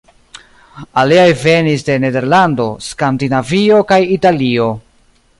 Aliaj venis de Nederlando, Skandinavio kaj Italio.